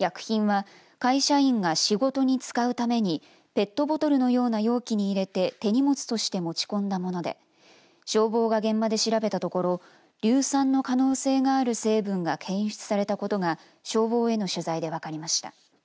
薬品は会社員が仕事に使うためにペットボトルのような容器に入れて手荷物として持ち込んだもので消防が現場で調べたところ硫酸の可能性がある成分が検出されたことが消防への取材で分かりました。